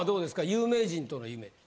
有名人との夢って。